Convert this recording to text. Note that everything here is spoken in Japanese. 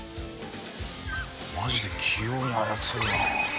マジで器用に操るなあ。